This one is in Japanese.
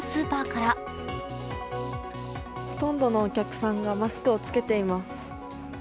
ほとんどのお客さんがマスクを着けています。